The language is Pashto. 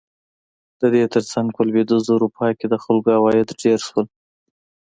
د دې ترڅنګ په لوېدیځه اروپا کې د خلکو عواید ډېر شول.